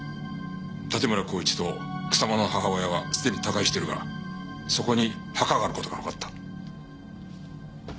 盾村孝一と草間の母親はすでに他界してるがそこに墓がある事がわかった。